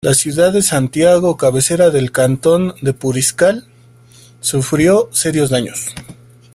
La ciudad de Santiago, cabecera del cantón de Puriscal, sufrió serios daños.